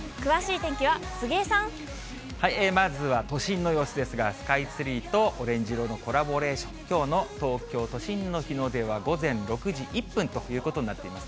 まずは都心の様子ですが、スカイツリーとオレンジ色のコラボレーション、きょうの東京都心の日の出は、午前６時１分ということになっています。